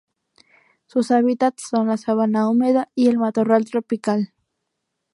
Su hábitats son la sabana húmeda y el matorral tropical.